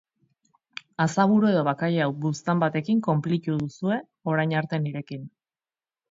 Azaburu edo bakailao buztan batekin konplitu duzue orain arte nirekin.